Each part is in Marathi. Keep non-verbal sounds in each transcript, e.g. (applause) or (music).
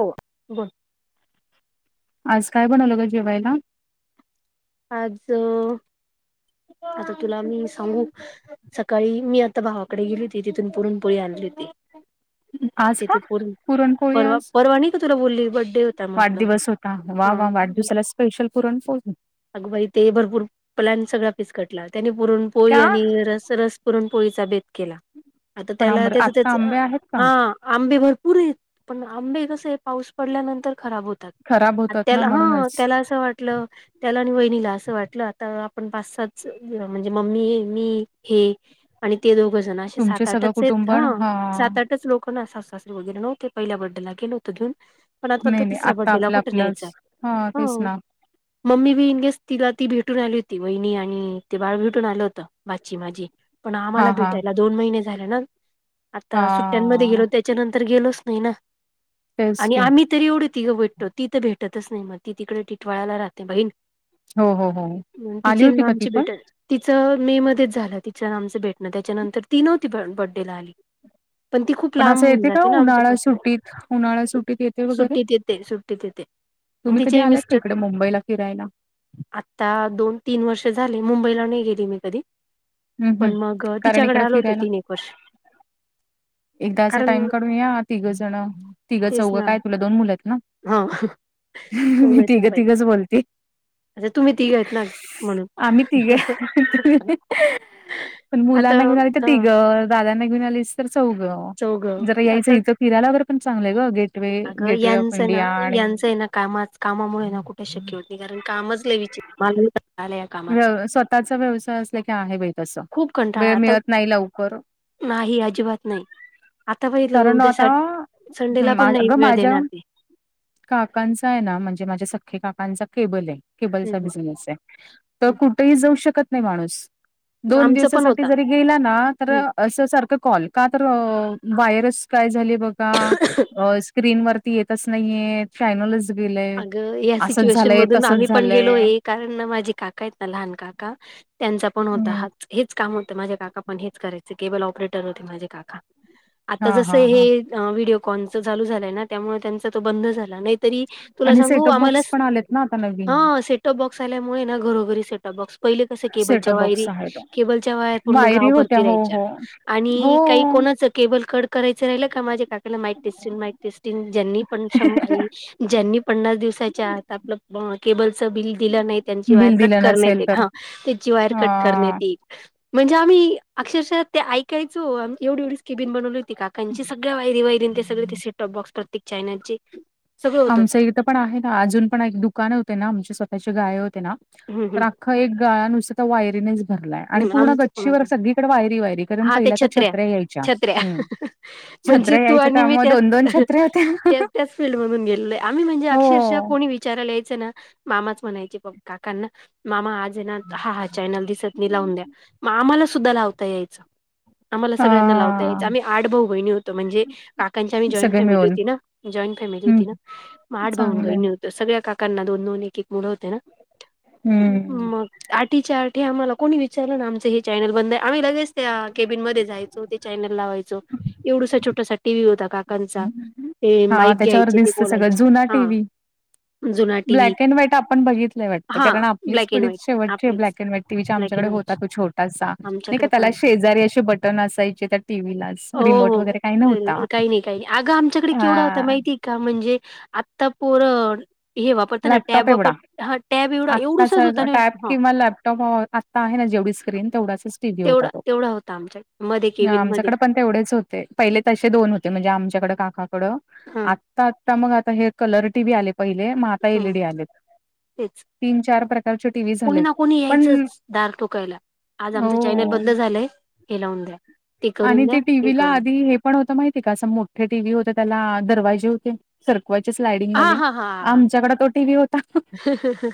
हो, बर. आज काय बनवलं ग जेवायला? आज, आता तुला मी सांगू? सकाळी, मी आता भावाकडे गेली होती, तिथून पुरणपोळी आणली ती. आज का? तिथे पोर, पुरणपोळी परवा आज. परवा नाही का, तुला बोलली बडडे होता म्हंटलं ह, हा वा वाढदवसाला स्पेशल पुरण पोळी. अगोबाई ते भरपूर प्लॅन सगळा पिसकटला, त्याने पुरून पोळी का? आणि रस, रस पुरण पोळीचा बेत केला, आता, पण आम त्याला त्याच आत्ता त्याच, आंबे आहेत का? हा, आंबे भरपूरेत. पण आंबे कस, पाऊस पडल्यानंतर खराब होतात. खराब होतात ना त्याला, हा, म्हणूनच. त्याला असं वाट (unintelligible) (inaudible) त्याला आणि वहिणीला असं वाटलं, आता आपण पाच, साच, म्हणजे, मम्मी मी हे आणि ते दोघ जण, असे तुमचे सात, सगळं आठच आहेत, कुटुंब हा, सात आठच लोक ना सासू सासरी वगैरे नव्हते पहिल्या बड्डेला, गेलं होतं घेऊन पण आत (unintelligible) नाही नाही तिसऱ्या आता बड्डेला आपलं कुठे आपलंच न्यायचा? हा. तेच ना मम्मी बी इन केेस तिला ती भेटून आली होती, वहिनी आणि ते बाळ भेटून आलं होतं. भाची माझी, पण आम्हाला हा हा भेटायला दोन महिने झाले ना, आता सुट्यांमध्ये हा गेलो त्या नंतर गेलोच नाही ना, तेच आणि की आम्ही तरी एवढी तिघं भेटतो, ती तर भेटतच नाही मग, ती तिकडे टिटवाळाला राहते बहीण. हो हो हो म आली तिची न होती का ती आमची पण? भेट तिचं, मे मध्येच झालं, तिचं ना आमचं भेटणं, त्याच्यानंतर तीनव ती बड्डेला आली. पण ती खूप लांब असं होऊन येते का जाते ना आमच्या उन्हाळा पाासून, सुट्टीत उन्हाळा सुट्टीत येते वगैरे? सुट्टीत येते, सु तिते ते तुम्ही कधी आलात का इकडे मुंबईला, फिरायला? आत्ता दोन तीन वर्ष झाले, मुंबईला नाही गेली मी कधी. हम्म हम्म पण मग कारण तिच्याकडे इकडे आलो होतो, फिरायला तीन एक वर्ष एकदा असा कारण टाइम काढून या, तिघं जण, तिघं, तेच चौघं, ना काय तुला दोन मुलं आहेत ना. हा दोघ मी आहेत ना तिघं बाई तिघंच बोलते. आता तुम्ही तिघ आहेत ना म्हणून आम्ही तघे (unintelligible) पण आता मुलांना घेऊन आली तर अ तिघ, दादांना घेऊन आलीस तर चौघं. चौघं जरा यायचं, आता इथं फिरायल्यावरर पण चांगलंय ग, गेटवे, गेटवे ऑफ इंडिया, आणि कामाच, कामामुळे ये ना कुठे शक्य होत नाही, कारण कामच लई विचित् व्य व्य स्वतःचा व्यवसाय असला की आहे बाई तसा, खूप कंटाळा वेळ आता मिळत नाही लवकर. नाही अजिबात नाही, आ आता बघीतल कारण उद्या, आता संडेला पण नाही अगं वेळ माझ्या देणार ते. काकांचा आहे ना म्हणजे माझ्या सख्खे काकांचा केबल आहे. केबलच हं, हं, बिनेस आहे, तर हं. कुठेही जाऊ शकत नाही माणूस, दोन आमचं पण दिवसासाठी होता जरी गेला ना तर हं. अस सारखं कॉल का तर वायरस काय झाली बघ. का, आ स्क्रीन वरती येतच नाहीये चॅनलच. अग या सिच्युएशन मधून आम्ही तसंच पण झालंय गेलोय. कारण माझे काका आहेत ना लहान काका त्यांचा पण होता हम्म हाच, हेच काम होतं माझ्या काका पण हेच करायच केबल ऑपरेटर होते माझे काका, आता हा जस हा हा हे अ व्हिडिओकॉनच चालू झालाय ना त्यामुळे त्यांचा तो बंद झाला नाही तरी तुला आणि सांगू सेटअप आम्हाला, बॉक्स पण आलेत ना आता नवीन हा सेटऑप बॉक्स आल्यामुळे ना घरोघरी सेटऑप बॉक्स. पहिले कसं केबलच्या सेटअप बॉक्स वायरी, आहेत. केबलच्या वायर पूर्ण वायरी गाव भर होत्या हो फिरायच्या. हो आणि काही हो. कोणाचं केबल कट करायच राहिलं का माझ्या काकाला माईक टेस्टिंग, माईक टेस्टिंग ज्यांनी पण, ज्यांनी पन्नास दिवसाच्या आता आपलं केबलच बिल दिलं नाही त्यांची वायर बिल कट दिलं करण्यात नसेल येईल तर हा त्याची वायर कट हा करण्यात येईल. म्हणजे आम्ही अक्षरशः ते ऐकायचो आम्ही एवढी-एवढी केबिन बनवली होती का. त्यांची सगळ्या आयरी-वायरी ते सगळे ते सेटअप बॉक्स प्रत्येक चॅनलचे. सगळं होतं. आमचं इथं पण आहे ना अजून पण एक दुकान होते ना आमची स्वतःची गाळे होते ना हम्म तर एक गळ्या नुसार तर वायरीनेच भरलाय आणि हम्म पूर्ण आमचं पण होतं. गच्चीवर सगळीकडे वायरी-वायरी. कारण हा त्या पहिल्या तर छत्र्या यायच्या छत्र्या हम्, म्हणजे छत्र्या तू यायच्या आणि मी त्यामुळं त्याच दोन-दोन छत्र्या होत्या. त्या त्याच फील्ड मधून गेलेलोय, आम्ही म्हणजे अक्षरशः हो कोणी विचारायला यायचे ना मामाच म्हणायचे प काकांना मामा हा हा, चॅनल दिसत मी लावून द्या मग आम्हाला सुद्धा लावता यायचं. आम्हाला सगळ्यांना लावता याच हा आम्ही आठ भाऊ-बहिणी होतो म्हणजे काकांची आम्ही जॉईंट सगळे फॅमिली मिळून होती ना, जॉईंट फॅमिली हम्म होती ना आठ चांगलंय. भाऊ-बहिणी होती. तर सगळ्या काकांना दोन-दोन एक-एक मुलंं होते न, हम्म. मग? आठीच्या आठे आम्हाला कोणी विचारलं ना आमच हे चॅनल बंद आहे आम्ही लगेच त्या कॅबिन मध्ये जायचो ते चॅनल लावायचो एवढसा छोटसा टीव्ही होता का हा त्याच्यावर दिसत सगळं बोलायचे जुना हा टीव्ही. जुना T V black and white आपण बघितलंय वाटतं हा कारण आपलीच ब्लॅक अँड पिढी व्हाईट शेवटची आपलेच ब्लॅक अँड व्हाईट टीव्हाचा ब्लॅक अँड आमच्याकडे व्हाईट होतो छोटासा नाही का आमच्याकडे पण त्याला होता शे जरी असे बटन असायचे त्या टीव्हीलाच हो रिमोट हो वगैरे काही नव्हता. काही नाही काही अगं आमच्याकडे अ केवढा होता माहितीय का? म्हणजे आता पोर हे वापरता ना लॅपटॉप टॅब एवढा वापर, हा टॅब एवढा एवढुसाच होता ना ह त्या लॅपटॉप वर आत्ता आहे ना जेवढी स्क्रीन तेवढाच टीव्ही होता तेवढा, तो. तेवढा होता आमच्या मध्ये केबिन मध्ये. आमच्याकडे पण तेवढेच होते पहिले तसे दोन होते म्हणजे आमच्याकड काकाकडं हा आत्ता मग आता हे कलर टी व्ही आले पहिले मग आता हा एलईडी आलेत. तेच, तीन चार प्रकारचे टीव्ही कोणी झालेत ना कोणी पण यायचंच दार ठोकायला. आज आमचं चॅनल हो बंद झालंय हे लावून द्या. करून आणि द्या ते हे टीव्हीला करून आधी हे पण होत माहितीय का असं मोठे टीव्ही होते त्याला दरवाजे होते. सरकवायचे स्लायडिंग हा वाले हा हा आमच्याकडे तो टीव्ही होता. आहा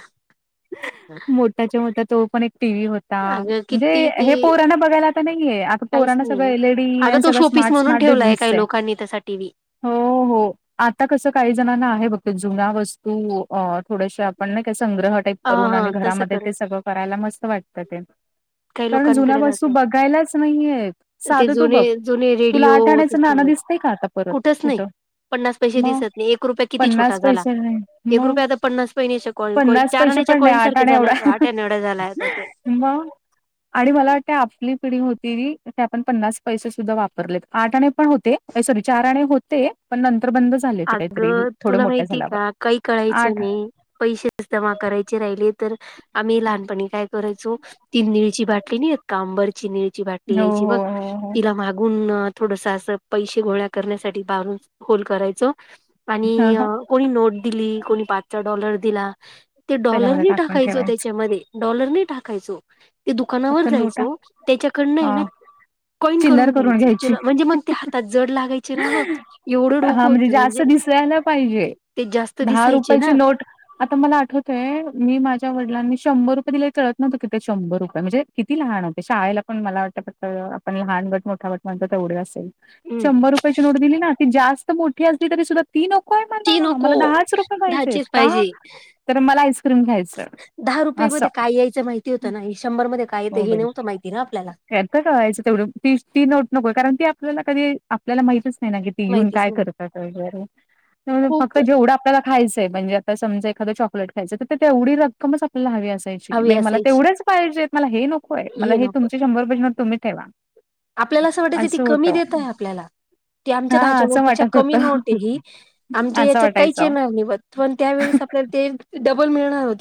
त्याच्या म तो पण एक टीव्ही होता म्हणजे किती ते हे पोरांना बघायला आता नाहीय आता काहीच पोरांना सगळं नाहीये एल अगं डी तो सगळं शोपीस स्मार्ट म्हणून स्मार्टच ठेवलाय डीजीच काही आहे लोकांनी तसा टीव्ही हो हो. आता कसं काही जणांना आहे बघ ते जुन्या वस्तू अ थोडेशया आपण नाही काय संग्रह टाइप ह करून आणि हा तसं घरामध्ये कर ते सगळं करायला मस्त वाटतं ते. काही कारण जुन्या लोकांकडे वस्तू राहतं बघायलाच नाहीये. ते जुने जुने रेडिओ ते नाणं ठेवलेत दिसतंय का आता परत कुठच नाही. कुठं? पन्नास पैशे मग दिसत नाही एक रुपया किती छोटा पन्नास झाला पैसे नाही एक मग रुपया आता पन्नास पैने शे कॉल कॉइन पन्नास पैसे चारण्याच्या पण नाही कॉइनसारखे झालाय तो आट्याना एवढा झालाय आता तो. म आणि मला वाटतें आपली पिढी होती ती ते आपण पन्नास पैसे सुद्धा वापरलेत आठाणे पण होते सॉरी चाराणे होते पण नंतर बंद झाले होते काहीतरी अगं थोडे तुला मोठ्या माहिती झाल्यावर का काही कळायचं आठ नाही पैशेच जमा करायचे राहिली तर आम्ही लहानपणी काय करायचो ती निळची बाटली नाही येत कांबरची निळ ची बाटली हो यायची हो बघ हो हो तिला माघून थोडसा असं पैशे गोळ्या करण्यासाठी पारून होल करायचो आणि ह ह कोणी नोट दिली कोणी पाचचा डॉलर दिला ते डॉलर त्याच्यामध्ये नी टाकून टाकायचो ठेवायचं त्याच्यामध्ये डॉलर नी टाकायचो. ते दुकानावर फक्त नोटा जायचं त्याच्याकडनं आहे हा ना कॉइन चिल्लर करून घ्यायचं घ्यायची चला म्हणजे मग ते हातात जड लागायचे ना गं एवढं हा डोकं म्हणजे म्हणजे जास्त दिसयला ना पाहिजे ते जास्त दहा दिसायचे ना रुपयाची नोट आता मला आठवतय मी माझ्या वडिलांनी शंभर रुपये दिले कळत नव्हतं कि ते शंभर रुपये म्हणजे किती लहान होते शाळेला पण मला वाटतं फक्त आपण लहान गट मोठागट म्हणतो तेवढे असेल. हम्म. शंभर रुपयाची नोट दिली ना ती जास्त मोठी असली तरी सुद्धा ती नकोय ती मला नको मला दहाच रुपये पाहिजेत दहाचीच का? पाहिजे. तर मला आईस्क्रीम घ्यायचं दहा रुपये असं मध्ये काय येया च माहिती होतं ना शंभर मध्ये काय येतं हे नव्हतं माहिती ना आपल्याला. त्यात कळायचं तेवढं ती ती नोट नको कारण ती आपल्याला कधी आपल्याला माहितच नाही ना की ती घेऊन माहितीच काय नाही करतात वगैरे फक्त खूप जेवढ आपल्याला खायचंय म्हणजे आता समज एखादा चॉकलेट खायचं तर तेवढी रक्कमच आपल्याला हवी असाय ची हवी नाही मला असायची तेवढ्याच पाहिजेेत मला हे नकोय मला हे तुमची शंभर पैशे नोट तुम्ही ठेवा. आपल्याला असं वाटायचं ती कमी देत आहे आपल्याला. ते आमच्या हा दहाच्या असं नोटपेक्षा वाटत होत कमी नोट आहे ही आमच्या असं याच्यात वाटायचं काहीचं नाव निभत नाही पण त्यावेेळेस आपल्या ते डबल मिळणार हो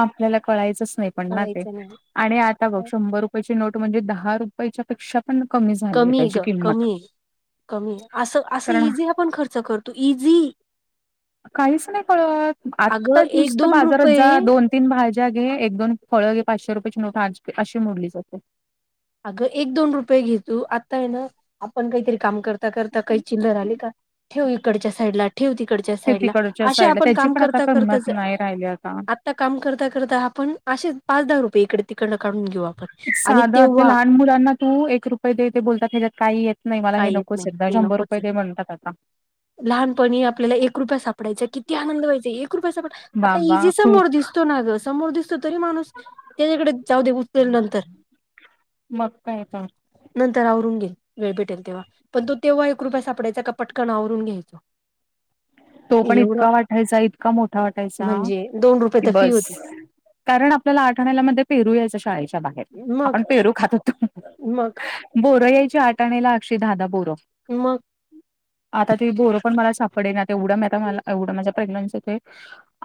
आपल्याला कळायचंच नाही पण ना ते. कळायचं नाही आणि आता बघ शंभर रुपयाची नोट म्हणजे दहा रुपयाच्या पेक्षा पण कमी झा कमी गं कमी आहे कमी आहे असं असं कारण इझी आपण खर्च करतो इझी काहीच नाही कळत अगं आत्ताच एक नुसतं दोन बाजारात जा रुपये दोन तीन भाज्या घे, एक-दोन फळं घे, पाचशे रुपयाची नोट आज अशी मोडली जाते. अगं एक दोन रुपये घे तू आत्ता आहे ना, आपण काहीतरी काम करता-करता काही चिल्लर आली का ठेव इकडच्या साईडला, ठेव तिकडच्या ते साईडला तिकडच्या अशी साईडला आपण त्याची काम पण आता करता किंमत करताच नाही राहिली आता आ ता काम करता-करता आपण अशेच पाच दहा रुपये इकडं-तिकडनं काढून घेऊ आपण. आणि सादा ते तेव्हा लहान मुलांना तू एक रुपये देे ते बोलतात ह्याज्यात काही येत नाही मला हे, काय येत नकोच नाही आहे एकदा हे शंभर नकोच रुपये आहे. दे म्हणतात आता. लहानपणी आपल्याला एक रुपया सापडायचा, किती आनंद व्हायचा. एक रुपया सापडालाय. आता बाबा इझी खूप समोर दिस दिसतो ना गं. समोर दिसतो तरी माणूस, त्याच्याकडे जाऊ दे उचलेल नंतर मग काय तर? नंतर आवरून घे, वेळ भेटेल तेव्हा. पण तो तेव्हा एक रुपया सापडायचा का पटकन आवरून घ्यायचो तो पण एवढं इतका वाटायचा, इतका मोठा वाटायचा म्हणजे दोन रुपये की तर फी बस. होती कारण आपल्याला आठआण्याला मध्ये पेरू यायचा, शाळेच्या बाहेर मग आपण पेरू खात होतो. मग? बोरं यायची आठआण्याला अशे दहा-दहा बोरं. मग? आता ते बोरं पण, मला सापडेना. आता ऐवढं मी, आता मला एवढं माझ्या प्रेग्नसीमध्ये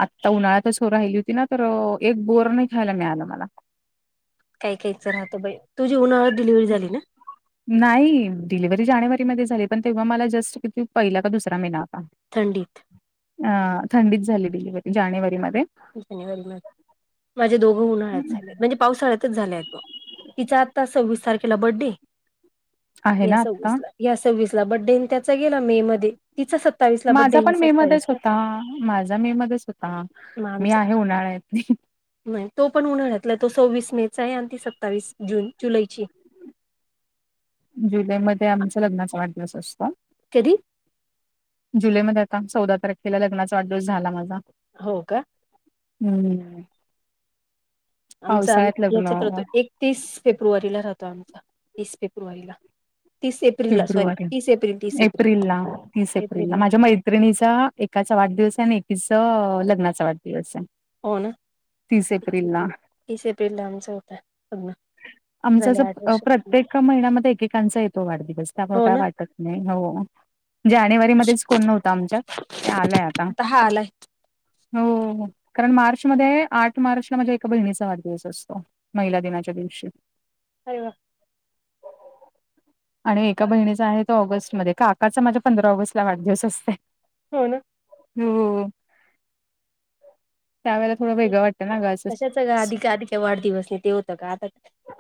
आत्ता उन्हाळ्या पासूनच राहिली होती ना, तर एक बोर नाही खायला मिळालं मला. काही काहीचं राहतो बाई, तुझी उन्हाळ्यात डीलिव्हरी झाली ना? नाही. डिलिव्हरी जानेवारीमध्ये झाली, पण तेव्हा मला जस्ट किती पहिला का दुसरा महिना होता. थंडीत. अं.. थंडीत झालेली डिलेव्हरी, जानेवारीमध्ये. जानवारी महीन्यात माझे दोघं उन्हाळ्यात झाले म्हणजे पावसाळ्यातच झालेयत बघ. तिचा आत्ता सव्वीस तारखे खेला बड्डे? आहे ह्या ना सव्वीस आत्ता. ला. ह्या सव्वीस ला बड्डे, त्याचा गेला मे मध्ये. तिचा स माझा पण मे मध्येच होता, माझा मे मध्येच होता. मग मी आमचा आहे उन्हाळ्यातली. नाही तो पण उन्हाळ्यातला, तो सव्वीस मेचा आहे. आणि ती सत्तावीस जून-जुलैची जुलैमध्ये आमचा लग्नाचा वाढदिवस असतो. कधी? जुलैमध्ये आता, चौदा तारखेला लग्नाचा वाढदिवस झाला माझा. हो, का? हम्म्. आमचा आम् लग्न याच्यात राहतो एक तीस फेब्रुवारीला राहतो आमचा, तीस फेब्रुवारीला. तीस एप्रिलला सॉरी फेब्रुवारी, तीस एप्रिल तीस एप्रिल एप्रिलला. तीस एप्रिल ला माझ्या मै त्रिणीचा एकाचा वाढदिवस आहे आणि एकीचा लग्नाचा वाढदिवस आहे. हो, ना? एप्रिलला. तीस एप्रिल ला आमचा होता. आमचा झाले आठ असं वर्ष प्रत्येक महिन्यामध्ये एकेकांचा येतो वाढदिवस असल्यामुळे हो काय ना वाटत नाही हो. जानेवारीमध्येच कोण नव्हतं आमच्यात, ते आलंय आता आलाय. हो. कारण मार्च मध्ये, आठ मार्चला माझ्या एका बहिणीचा वाढदिवस असतो. महिला दिनाच्या दिवशी. अरे वा! आणि एका बहिणीचा आहे तो ऑगस्टमध्येध्ये का काकाचा माझ्या पंधरा ऑगस्टला वाढदिवस असते. हो ना. हो त्यावेळे तशाच का आधी का आधी का वाढदिवस नाही ते होतं का आता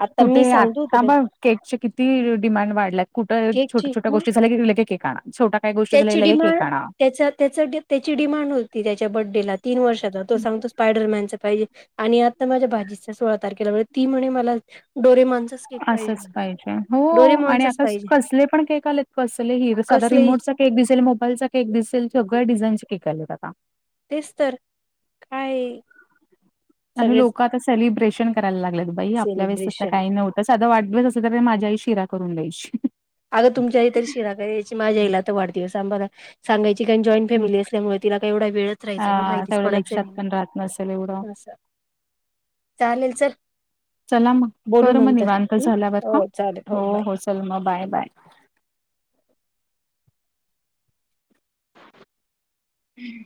आता कुठे मी सांगतो होत आता त्या बघ केकचे किती डिमांड वाढलाय कुठं छोट केकची छोटया मग गोष्टी झाल्या की लगेच केक आणा, छोट त्याची डिमांड त्याचा त्याचा त्याची डिमांड होती त्याच्या बडडेला तीन वर्षाचा तो सांगतो स्पायडरमॅनचा पाहिजे. आणि आता माझ्या भाचीचा सोळा तारखेला ती म्हणे मला डोरे मनचा असंच पाहिजे, हो, आणि आका पाहिजे कसले पण केक आलेत, कसले हि, साध कसले रिमोट केक दिसेल, मोबाईलचा केक दिसेल, सगळ्या डिझाईनचे केक आलेत आता. तेच तर, काय आणि सगळेच लोकं आता सेलिब्रेशन करायला लागलेत बाई, आपल्या वेळेस तसं सेलिब्रेशन काही नव्हतं. साधं वाढदिवस असलं तर, माझी आई शिरा करून द्यायची. अगं तुमची आई तर शिरा करायची, माझ्या आईला तर वाढदिवस सांग बरं सांगायची. कारण जॉईंट फॅमिली असल्यामुळे तिला का एवढा वेळंच राहायचा नाही, हा माहितीच तेवढं पडायचं लक्षात नाही पण राहत नसेल एवढं ना असं. चालेल चल. चला मग, बोलू कर मग नंतर निवांत हम्म झाल्यावर बाय, हो चालेल हा, हो हो, चल मग बाय बाय. हम्.